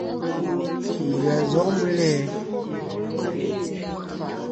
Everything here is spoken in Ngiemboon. Mbʉ̀a zɔ̌g mbʉ́le ?